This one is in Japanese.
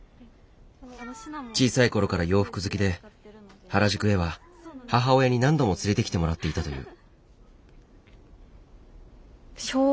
小さいころから洋服好きで原宿へは母親に何度も連れてきてもらっていたという。